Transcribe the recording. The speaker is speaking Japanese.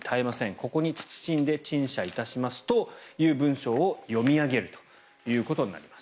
ここに謹んで陳謝いたしますという文章を読み上げるということになります。